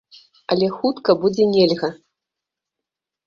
Але хутка будзе нельга.